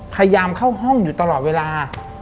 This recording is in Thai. พยายามเข้าห้องอยู่ตลอดเวลา